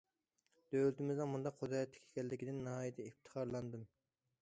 دۆلىتىمىزنىڭ بۇنداق قۇدرەتلىك ئىكەنلىكىدىن ناھايىتى ئىپتىخارلاندىم.